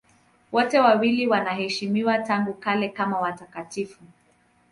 Wote wawili wanaheshimiwa tangu kale kama watakatifu.